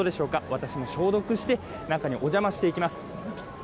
私も消毒して、中にお邪魔していきます。